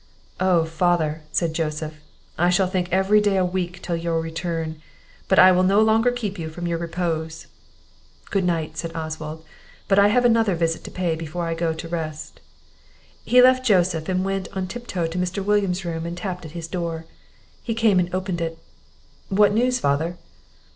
"Oh, father!" said Joseph, "I shall think every day a week till your return; but I will no longer keep you from your repose." "Good night," said Oswald; "but I have another visit to pay before I go to rest." He left Joseph, and went on tip toe to Mr. William's room, and tapped at his door. He came and opened it. "What news, father?"